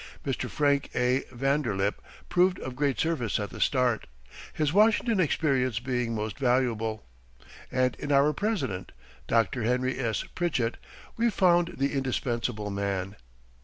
Mr. Frank A. Vanderlip proved of great service at the start his Washington experience being most valuable and in our president, Dr. Henry S. Pritchett, we found the indispensable man.